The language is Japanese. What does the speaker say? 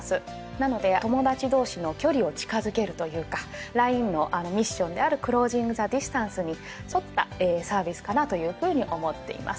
なので友達同士の距離を近づけるというかＬＩＮＥのミッションである「ＣＬＯＳＩＮＧＴＨＥＤＩＳＴＡＮＣＥ」に沿ったサービスかなというふうに思っています。